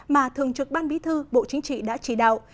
mà thường trực ban bí thư bộ chính trị đã chỉ đạo